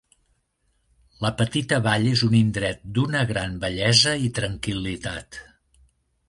La petita vall és un indret d'una gran bellesa i tranquil·litat.